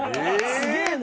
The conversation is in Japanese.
「すげえな」